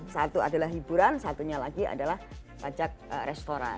satu adalah hiburan satunya lagi adalah pajak restoran